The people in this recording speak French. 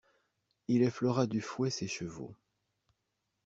Il effleura du fouet ses chevaux.